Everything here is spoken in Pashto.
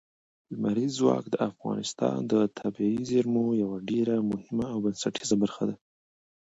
لمریز ځواک د افغانستان د طبیعي زیرمو یوه ډېره مهمه او بنسټیزه برخه ده.